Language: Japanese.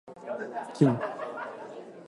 君